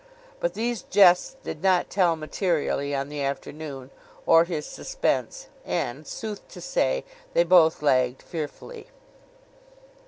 But these jests did not tell materially on the afternoon, or his suspense; and, sooth to say, they both lagged fearfully.